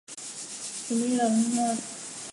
曲目一览曲目一览曲目一览